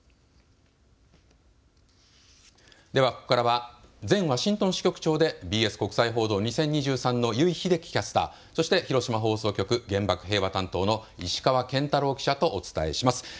ではここからは前ワシントン支局長でＢＳ国際報道２０２３の油井秀樹キャスター、そして広島放送局原爆・平和担当の石川拳太朗記者とお伝えします。